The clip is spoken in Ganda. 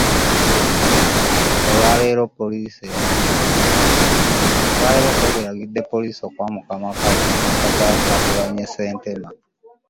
Olwa leero kkooti eragidde poliisi okwamuka amaka ga Kyagulanyi Ssentamu